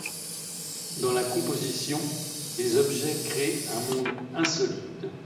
Dans la composition, les objets créent un monde insolite.